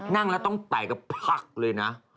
นั่งแล้วต้องแตกกับผลักเลยนะ